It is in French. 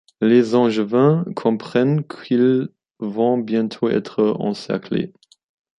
Les Angevins comprennent qu'ils vont bientôt être encerclés.